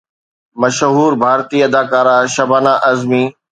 مشهور ڀارتي اداڪاره شبانه اعظمي